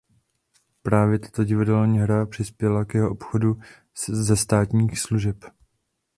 Právě tato divadelní hra přispěla k jeho odchodu ze státních služeb.